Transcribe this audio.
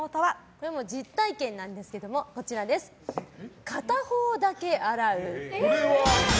これは実体験なんですけども片方だけ洗う。